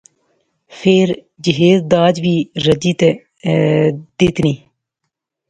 فیر جہیز داج وی رجی تے دیتنی